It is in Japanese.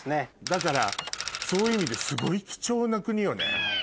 だからそういう意味ですごい貴重な国よね。